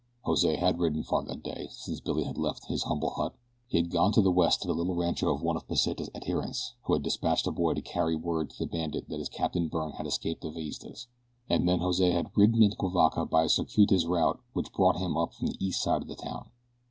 Jose had ridden far that day, since Billy had left his humble hut. He had gone to the west to the little rancho of one of Pesita's adherents who had dispatched a boy to carry word to the bandit that his Captain Byrne had escaped the Villistas, and then Jose had ridden into Cuivaca by a circuitous route which brought him up from the east side of the town.